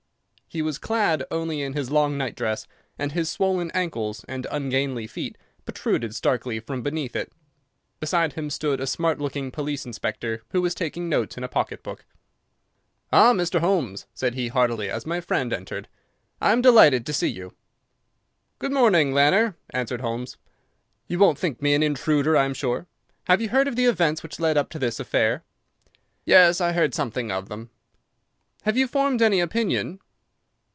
He was clad only in his long night dress, and his swollen ankles and ungainly feet protruded starkly from beneath it. Beside him stood a smart looking police inspector, who was taking notes in a pocket book. "Ah, Mr. Holmes," said he, heartily, as my friend entered, "I am delighted to see you." "Good morning, Lanner," answered Holmes; "you won't think me an intruder, I am sure. Have you heard of the events which led up to this affair?" "Yes, I heard something of them." "Have you formed any opinion?"